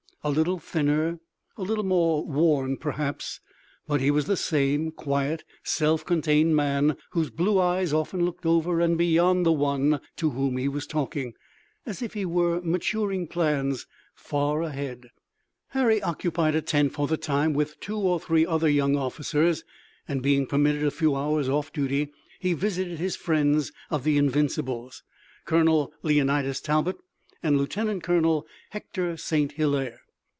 A little thinner, a little more worn, perhaps, but he was the same quiet, self contained man, whose blue eyes often looked over and beyond the one to whom he was talking, as if he were maturing plans far ahead. Harry occupied a tent for the time with two or three other young officers, and being permitted a few hours off duty he visited his friends of the Invincibles, Colonel Leonidas Talbot and Lieutenant Colonel Hector St. Hilaire.